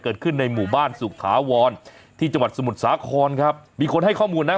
เกิดขึ้นในหมู่บ้านสุขฐาวรที่จังหวัดสมุทรสาครครับมีคนให้ข้อมูลนะ